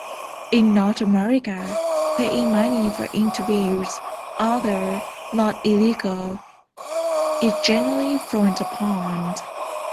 In North America, paying money for interviews, although not illegal, is generally frowned upon.